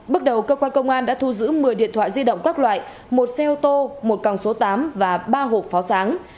bước đầu cơ quan công an đã thu giữ một mươi điện thoại di động các loại một xe ô tô một còng số tám và ba hộp pháo sáng